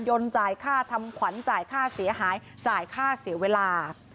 จ่ายค่าทำขวัญจ่ายค่าเสียหายจ่ายค่าเสียเวลา